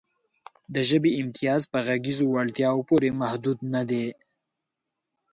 د ژبې امتیاز په غږیزو وړتیاوو پورې محدود نهدی.